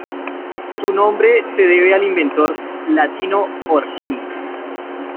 Su nombre se debe al inventor: Latino Orsini.